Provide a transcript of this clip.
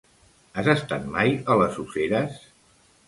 Has estat mai a les Useres?